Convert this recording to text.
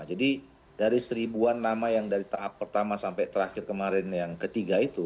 jadi dari seribuan nama yang dari tahap pertama sampai terakhir kemarin yang ketiga itu